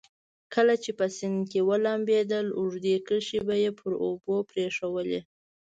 کله چې په سیند کې لمبېدل اوږدې کرښې به یې پر اوبو پرېښوولې.